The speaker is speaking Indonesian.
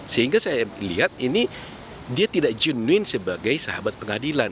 sehingga saya lihat ini dia tidak genuine sebagai sahabat pengadilan